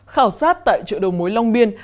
khảo sát tại chợ đầu mối long biên